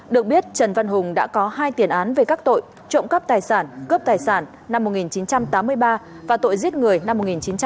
được biết trần văn hùng đã có hai tiền án về các tội trộm cắp tài sản cướp tài sản năm một nghìn chín trăm tám mươi ba và tội giết người năm một nghìn chín trăm tám mươi ba